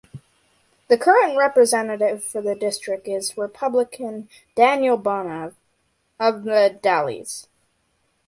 The current representative for the district is Republican Daniel Bonham of The Dalles.